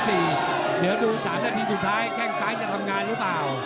เดี๋ยวดู๓นาทีสุดท้ายแข้งซ้ายจะทำงานหรือเปล่า